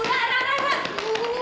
selamat mengalami kamu